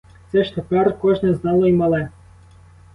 Це ж тепер кожне знало й мале.